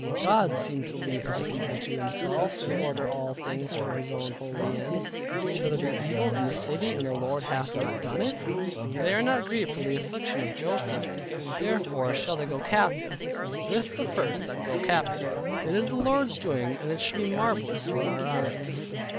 God seemed to leave his People to themselves, and order all things for His own holy ends. Shall there be evil in the City and the Lord hath not done it? They are not grieved for the affliction of Joseph, therefore shall they go captive, with the first that go captive. It is the Lord's doing, and it should be marvelous in our eyes.